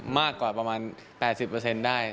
มากกว่าประมาณ๘๐ได้